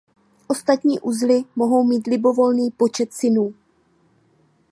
Ostatní uzly mohou mít libovolný počet synů.